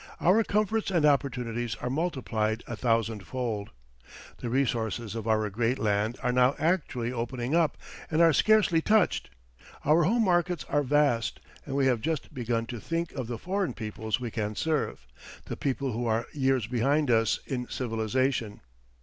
Our comforts and opportunities are multiplied a thousand fold. The resources of our great land are now actually opening up and are scarcely touched; our home markets are vast, and we have just begun to think of the foreign peoples we can serve the people who are years behind us in civilization.